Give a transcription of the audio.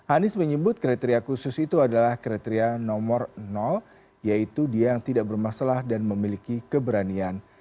anies menyebut kriteria khusus itu adalah kriteria nomor yaitu dia yang tidak bermasalah dan memiliki keberanian